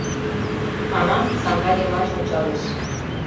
Анам саҥга йымач ончалеш.